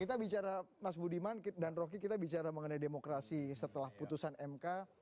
kita bicara mas budiman dan roky kita bicara mengenai demokrasi setelah putusan mk